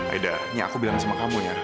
aida ini aku bilang sama kamu ya